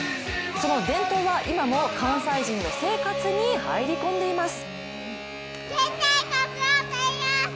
その伝統は今も関西人の生活に入り込んでいます。